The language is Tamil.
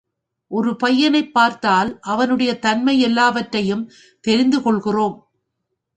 ஒரு பையனைப் பார்த்தால், அவனுடைய தன்மை எல்லாவற்றையும் தெரிந்து கொள்கிறோம்.